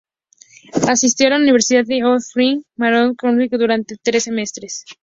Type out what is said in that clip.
Asistió a la University of Wisconsin-Marathon County durante tres semestres.